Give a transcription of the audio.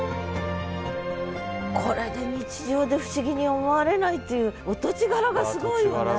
これで日常で不思議に思われないっていうお土地柄がすごいよね。